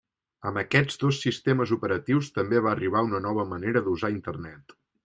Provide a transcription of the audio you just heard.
Amb aquests dos sistemes operatius també va arribar una nova manera d'usar Internet.